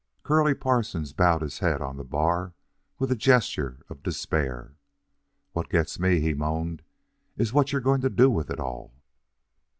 Curly Parsons bowed his head on the bar with a gesture of despair. "What gets me," he moaned, "is what you're going to do with it all."